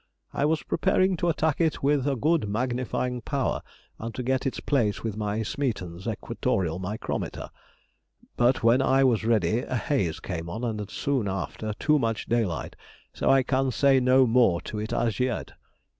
I was preparing to attack it with a good magnifying power, and to get its place with my Smeaton's equatorial micrometer, but when I was ready a haze came on and soon after too much daylight, so I can say no more to it as yet.